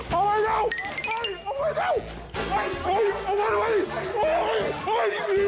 เอาไว้เร็วเอาไว้เร็ว